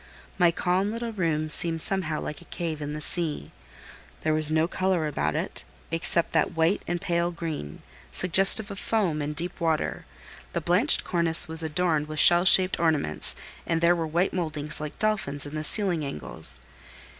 My calm little room seemed somehow like a cave in the sea. There was no colour about it, except that white and pale green, suggestive of foam and deep water; the blanched cornice was adorned with shell shaped ornaments, and there were white mouldings like dolphins in the ceiling angles.